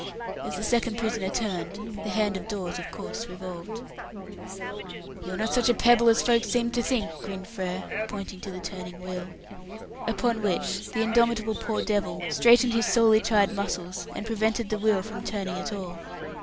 As the second prisoner turned, the hand of Dawes of course revolved. "You're not such a pebble as folks seemed to think," grinned Frere, pointing to the turning wheel. Upon which the indomitable poor devil straightened his sorely tried muscles, and prevented the wheel from turning at all.